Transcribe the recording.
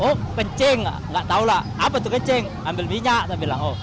oh kencing nggak tau lah apa itu kencing ambil minyak dia bilang